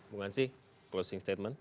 bung hansi closing statement